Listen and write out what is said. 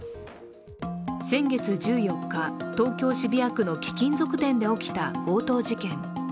先月１４に利、東京・渋谷区の貴金属店で起きた強盗事件。